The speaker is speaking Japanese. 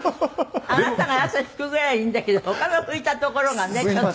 あなたが汗拭くぐらいはいいんだけど他の拭いた所がねちょっとね。